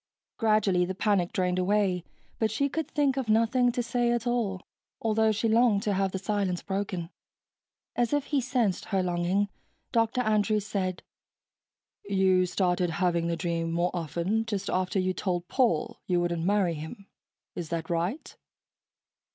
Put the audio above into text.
Gradually the panic drained away, but she could think of nothing to say at all, although she longed to have the silence broken. As if he sensed her longing, Dr. Andrews said, "You started having the dream more often just after you told Paul you wouldn't marry him, is that right?"